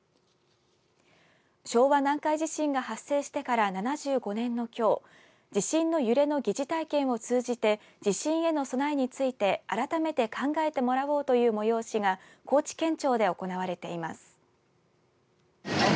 昭和南海地震が発生してから７５年のきょう地震の揺れの疑似体験を通じて地震への備えについて改めて考えてもらおうという催しが高知県庁で行われています。